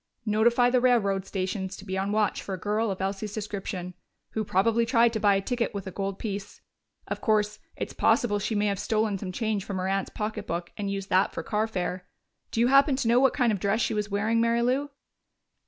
"Notify the railroad stations to be on watch for a girl of Elsie's description, who probably tried to buy a ticket with a gold piece. Of course, it's possible she may have stolen some change from her aunt's pocketbook and used that for carfare.... Do you happen to know what kind of dress she was wearing, Mary Lou?"